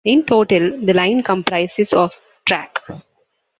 In total, the line comprises of track.